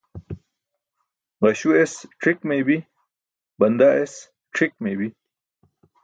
Ġaśu es c̣ik meybi, bandaa es c̣ʰik meybi.